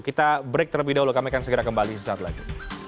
kita break terlebih dahulu kami akan segera kembali sesaat lagi